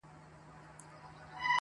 چاته وايی نابغه د دې جهان یې-